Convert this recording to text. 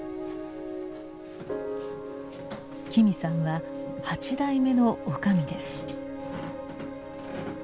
紀美さんは８代目の女将です。